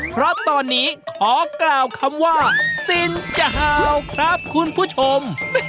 เพราะตอนนี้ขอกล่าวคำว่าสินจะเห่าครับคุณผู้ชม